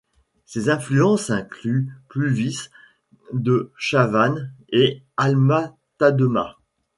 Ses influences incluent Puvis de Chavanne et Alma-Tadema.